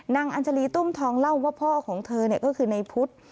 นางอัญจารีตุ้มทองเล่าว่าพ่อของเธอก็คือนายพุธ